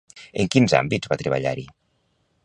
En quins àmbits va treballar-hi?